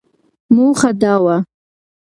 موخه دا وه ،